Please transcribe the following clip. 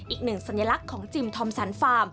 อีกหนึ่งสัญลักษณ์ของจิมทอมสันฟาร์ม